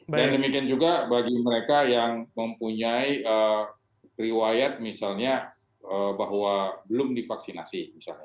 dan demikian juga bagi mereka yang mempunyai riwayat misalnya bahwa belum divaksinasi